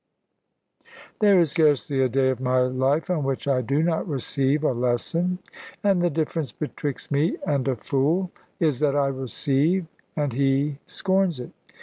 There is scarcely a day of my life on which I do not receive a lesson: and the difference betwixt me and a fool is that I receive, and he scorns it.